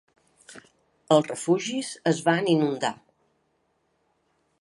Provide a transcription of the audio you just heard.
Els refugis es van inundar